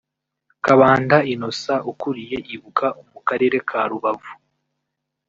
Kabanda Innocent ukuriye ibuka mu karere ka Rubavu